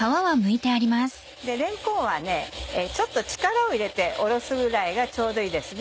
れんこんはちょっと力を入れておろすぐらいがちょうどいいですね。